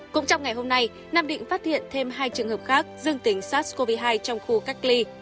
cũng trong ngày hôm nay nam định phát hiện thêm hai trường hợp khác dương tính sars cov hai trong khu cách ly